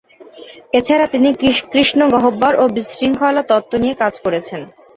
এছাড়া তিনি কৃষ্ণ গহ্বর ও বিশৃঙ্খলা তত্ত্ব নিয়ে কাজ করেছেন।